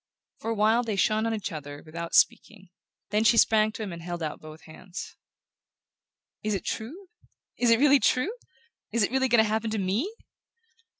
For a while they shone on each other without speaking; then she sprang to him and held out both hands. "Is it true? Is it really true? Is it really going to happen to ME?"